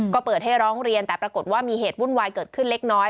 ก็เปิดให้ร้องเรียนแต่ปรากฏว่ามีเหตุวุ่นวายเกิดขึ้นเล็กน้อย